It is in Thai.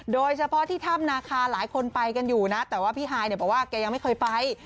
โดยเฉพาะที่ถ้ำนาคาหลายคนไปกันอยู่นะแต่ว่าพี่ฮายเนี่ยบอกว่าแกยังไม่เคยไป